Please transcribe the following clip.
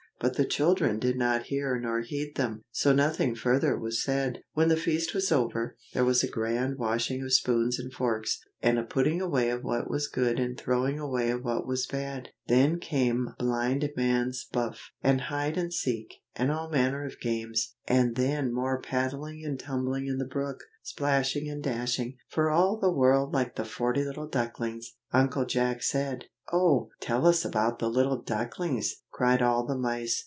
but the children did not hear nor heed them, so nothing further was said. When the feast was over, there was a grand washing of spoons and forks, and a putting away of what was good and throwing away of what was bad. Then came blind man's buff, and hide and seek, and all manner of games; and then more paddling and tumbling in the brook, splashing and dashing, "for all the world like the forty little ducklings!" Uncle Jack said. "Oh! tell us about the little ducklings!" cried all the mice.